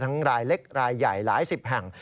รายเล็กรายใหญ่หลายสิบแห่ง